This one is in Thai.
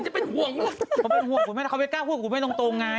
ก็เป็นห่วงคุณแม่นะเขาจะพูดกับคุณแม่ตรงไง